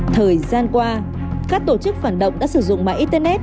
thời gian qua các tổ chức phản động đã sử dụng mạng internet